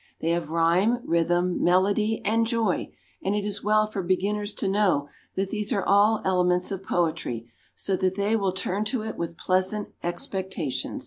They have rhyme, rhythm, melody, and joy; and it is well for beginners to know that these are all elements of poetry, so that they will turn to it with pleasant expectation.